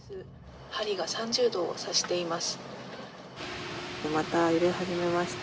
針が３０度を指しています。